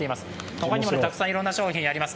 ほかにもたくさんいろんな商品あります。